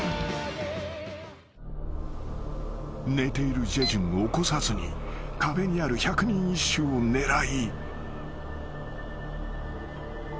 ［寝ているジェジュンを起こさずに壁にある百人一首を狙い］